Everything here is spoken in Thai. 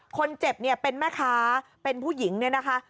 คนเจ็บเนี่ยเป็นแม่ค้าเป็นผู้หญิงเนี่ยนะคะ